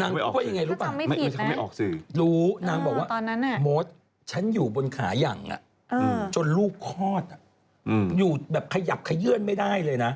นางพูดว่าอย่างไรรู้ปะรู้นางพูดว่าโมสฉันอยู่บนขายังจนลูกคลอดอยู่แบบขยับขยื่นไม่ได้เลยนะ